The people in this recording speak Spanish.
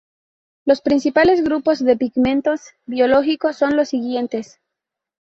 Los principales grupos de pigmentos biológicos son los siguientes.